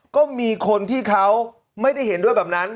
ก็มีคนที่เขาไม่ได้เห็นด้วยแบบนั้น